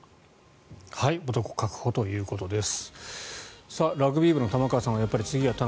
男確保ということです。